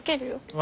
あ！